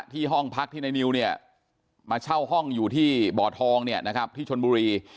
ห้องพักที่ในนิวเนี่ยมาเช่าห้องอยู่ที่บ่อทองเนี่ยนะครับที่ชนบุรี